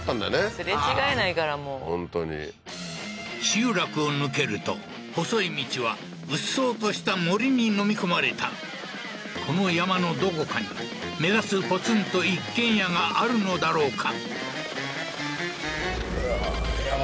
すれ違えないからもう本当に集落を抜けると細い道はうっそうとした森に飲み込まれたこの山のどこかに目指すポツンと一軒家があるのだろうか？